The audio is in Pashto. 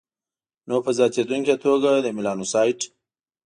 نو په زیاتېدونکي توګه د میلانوسایټ